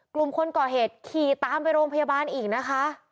กลุ่มคนก่อเหตุขี่ตามไปโรงพยาบาลอีกนะคะ